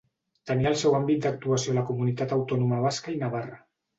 Tenia el seu àmbit d'actuació a la Comunitat Autònoma Basca i Navarra.